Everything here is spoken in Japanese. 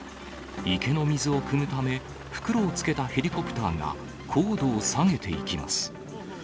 池の水をくむため、袋を付けたヘリコプターが高度を下げていきます。